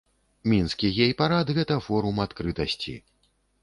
Мінскі гей-прайд гэта форум адкрытасці.